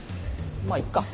まぁいっか。